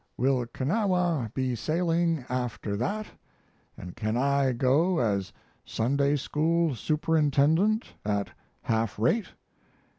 Will Kanawha be sailing after that & can I go as Sunday school superintendent at half rate?